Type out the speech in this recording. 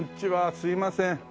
すいません。